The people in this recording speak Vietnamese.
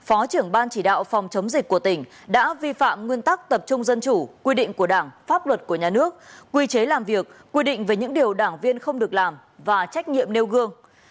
ông lương văn cầu đã vi phạm nguyên pháp tập trung dân chủ quy định của đảng pháp luật của nhà nước quy chế làm việc quy định về những điều đảng viên không được làm và trách nhiệm nêu gương